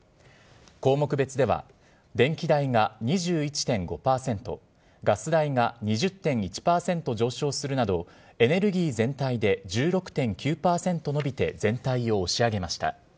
項目別では、電気代が２１．５％、ガス代が２０．１％上昇するなど、エネルギー全体で１６．９％伸びて全体を押し上げました。